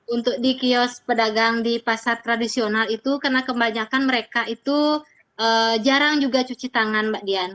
untuk di kios pedagang di pasar tradisional itu karena kebanyakan mereka itu jarang juga cuci tangan mbak dian